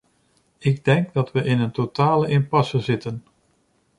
Ik denk dat we in een totale impasse zitten.